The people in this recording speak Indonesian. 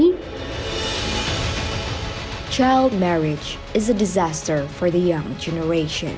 perkahwinan anak adalah keguguran untuk generasi muda